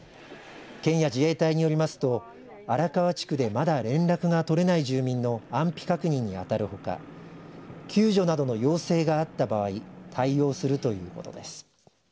県や自衛隊によりますと荒川地区でまだ連絡が取れない住民の安否確認に当たるほか救助などの要請があった場合対応するということです。